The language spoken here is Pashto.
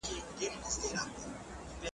که نن لمر پر شنه اسمان وي راختلی .